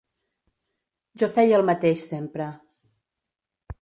Jo feia el mateix sempre.